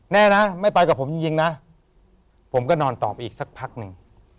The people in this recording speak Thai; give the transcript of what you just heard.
แน่นะไม่ไปกับผมจริงนะผมก็นอนต่อไปอีกสักพักหนึ่ง